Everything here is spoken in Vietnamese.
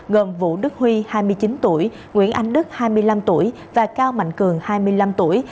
gồm vũ đức huy hai mươi chín tuổi nguyễn anh đức hai mươi năm tuổi và cao mạnh cường hai mươi năm tuổi